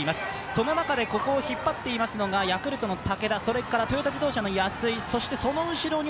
その中でここを引っ張っていますのが、ヤクルトの武田、それからトヨタ自動車の安井、その後ろに